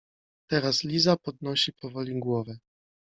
Teraz Liza podnosi powoli głowę.